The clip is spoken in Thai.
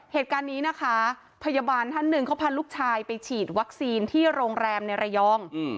เหตุการณ์นี้นะคะพยาบาลท่านหนึ่งเขาพาลูกชายไปฉีดวัคซีนที่โรงแรมในระยอง